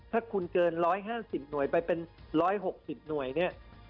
ถ้าคุณเกิน๑๕๐หน่วยไปเป็น๑๖๐หน่วยเนี่ย